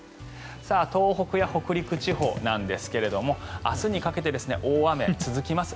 東北や北陸地方なんですが明日にかけて大雨が続きます。